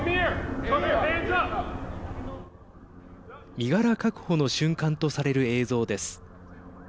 身柄確保の瞬間とされる映像です。